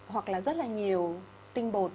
hoặc là rất là nhiều tinh bột